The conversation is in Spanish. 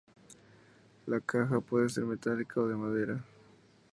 La caja puede ser metálica o de madera.